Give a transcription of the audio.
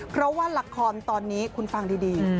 เพราะว่าละครตอนนี้คุณฟังดี